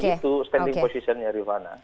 itu standing positionnya rivana